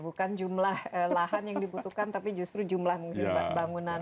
bukan jumlah lahan yang dibutuhkan tapi justru jumlah mungkin bangunan